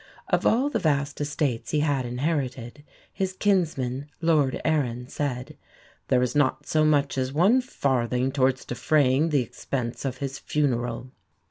Of all the vast estates he had inherited, his kinsman, Lord Arran, said: "There is not so much as one farthing towards defraying the expense of his funeral."